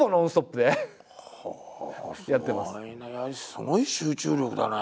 すごい集中力だね。